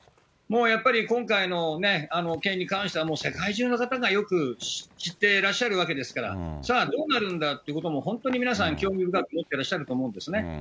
もうやっぱり、今回の件に関しては、世界中の方がよく知ってらっしゃるわけですから、さあ、どうなるんだと、皆さん興味深く思ってらっしゃると思うんですね。